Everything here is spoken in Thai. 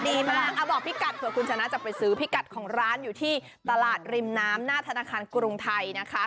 บอกพี่กัดเผื่อคุณชนะจะไปซื้อพิกัดของร้านอยู่ที่ตลาดริมน้ำหน้าธนาคารกรุงไทยนะคะ